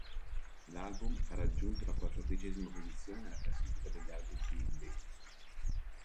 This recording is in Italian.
L'album ha raggiunto la quattordicesima posizione nella classifica degli album finlandese.